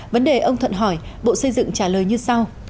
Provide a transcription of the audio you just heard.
vấn đề ông thuận hỏi bộ xây dựng trả lời như sau